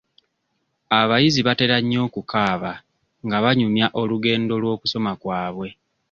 Abayizi batera nnyo okukaaba nga banyumya olugendo lw'okusoma kwabwe.